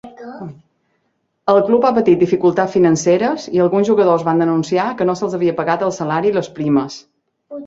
El club ha patit dificultats financeres i alguns jugadors van denunciar que no se'ls havia pagat el salari i les primes.